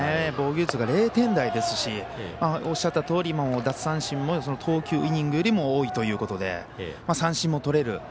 防御率が０点台ですしおっしゃったとおり奪三振も投球イニングより多いということで、三振もとれる。